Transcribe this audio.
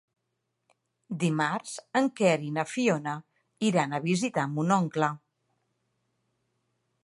Dimarts en Quer i na Fiona iran a visitar mon oncle.